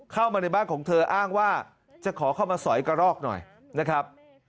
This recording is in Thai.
เข้ามาในบ้านของเธออ้างว่าจะขอเข้ามาสอยกระรอกหน่อยนะครับ